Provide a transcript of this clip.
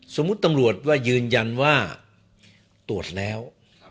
สมมุติตำรวจว่ายืนยันว่าตรวจแล้ว